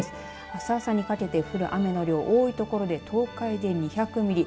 あす朝にかけて降る雨の量多い所で東海で２００ミリ